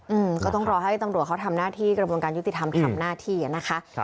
อืมก็ต้องรอให้ตำรวจเขาทำหน้าที่กระบวนการยุติธรรมทำหน้าที่อ่ะนะคะครับ